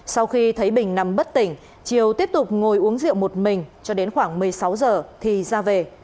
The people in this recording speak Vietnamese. sau khi thấy bình nằm bất tỉnh triều tiếp tục ngồi uống rượu một mình cho đến khoảng một mươi sáu giờ thì ra về